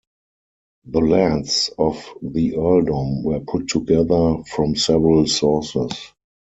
The lands of the earldom were put together from several sources.